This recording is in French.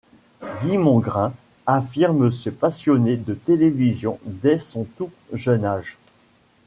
Guy Mongrain affirme se passionner de télévision dès son tout jeune âge.